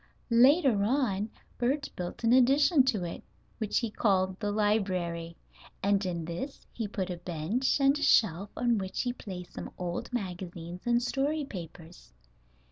Later on Bert built an addition to it, which he called the library, and in this he put a bench and a shelf on which he placed some old magazines and story papers.